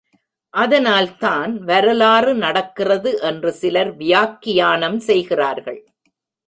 அதனால் தான் வரலாறு நடக்கிறது என்று சிலர் வியாக்கியானம் செய்கிறார்கள்.